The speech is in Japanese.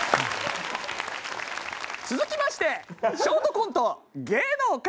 続きましてショートコント「芸能界」。